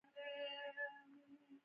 د روم سیاسي بنسټونه لا هم پېژندل کېږي.